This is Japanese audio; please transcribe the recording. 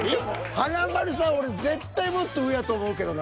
華丸さん俺絶対もっと上やと思うけどな。